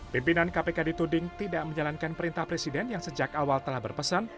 pimpinan kpk dituding tidak menjalankan perintah presiden yang sejak awal telah berpesan